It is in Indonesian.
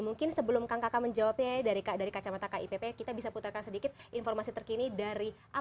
mungkin sebelum kang kaka menjawabnya dari kacamata kipp kita bisa putarkan sedikit informasi terkini dari apa sih yang terjadi